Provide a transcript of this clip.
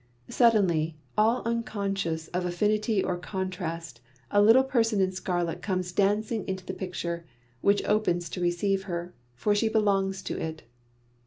Suddenly, all unconscious of affinity or contrast, a little person in scarlet comes dancing into the picture, which opens to receive her, for she belongs to it.